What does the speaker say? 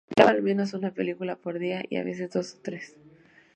Miraba al menos una película por día, y a veces dos o tres.